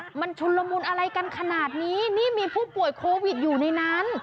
มันชุนละมุนอะไรกันขนาดนี้นี่มีผู้ป่วยโควิดอยู่ในนั้น